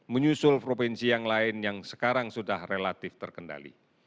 menyusul provinsi yang lain yang sekarang sudah relatif terkendali